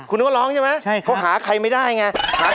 คุณก็ร้องใช่ไหมเขาหาใครไม่ได้ไง